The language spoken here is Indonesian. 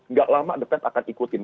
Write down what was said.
nggak lama the fed akan ikutin